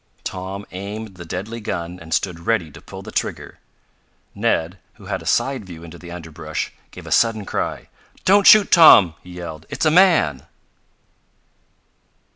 Tom aimed the deadly gun and stood ready to pull the trigger. Ned, who had a side view into the underbrush, gave a sudden cry. "Don't shoot, Tom!" he yelled. "It's a man!"